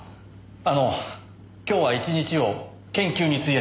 あの今日は一日を研究に費やしたいので。